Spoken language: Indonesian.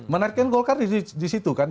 menariknya golkar disitu kan